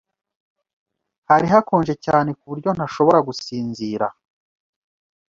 Hari hakonje cyane kuburyo ntashobora gusinzira.